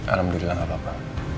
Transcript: alhamdulillah gak apa apa